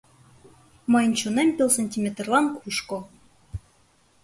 Мыйын чонем пел сантиметрлан кушко.